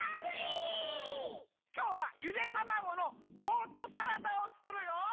きょうはゆでたまごのボートサラダをつくるよ！